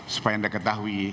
supaya anda ketahui